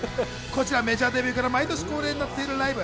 こちら、メジャーデビューから毎年恒例になっているライブ。